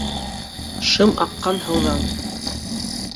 Шым аҡҡан һыуҙан